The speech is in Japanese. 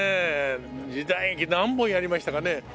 時代劇何本やりましたかね。